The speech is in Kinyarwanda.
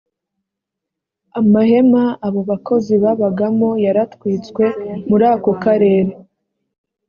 amahema abo bakozi babagamo yaratwitswe muri ako karere